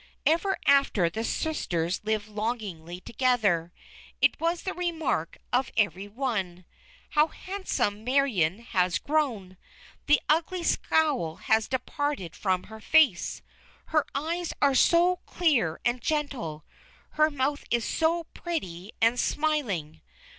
Ever after the sisters lived lovingly together. It was the remark of every one: "How handsome Marion has grown! The ugly scowl has departed from her face, her eyes are so clear and gentle, her mouth is so pretty and smiling.